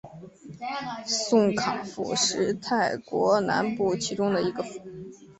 宋卡府是泰国南部其中的一个府。